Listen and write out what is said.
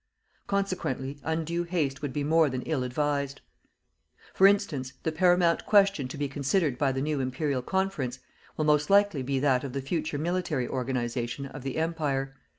Consequently undue haste would be more than ill advised. For instance, the paramount question to be considered by the new Imperial Conference will most likely be that of the future military organization of the Empire.